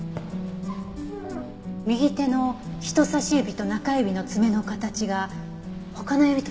右手の人さし指と中指の爪の形が他の指と違うんです。